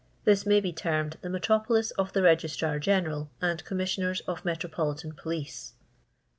This may be termed the metropolis of the Registrar General and Commit* sioners of Metropolitan Police.